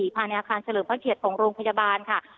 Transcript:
ภาณาคารเฉลิมภักดิ์เหตุของโรงพยาบาลค่ะ